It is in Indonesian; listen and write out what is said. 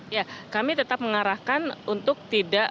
ya kami tetap mengarahkan untuk tidak